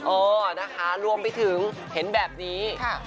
เออนะคะรวมไปถึงเห็นแบบนี้